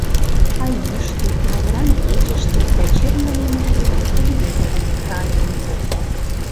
А йӱштӧ, лавыран игечыште да черле лиймыж годым телевизорым, радиом колта.